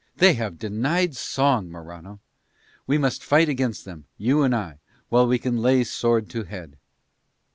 They have denied song, Morano! We must fight against them, you and I, while we can lay sword to head."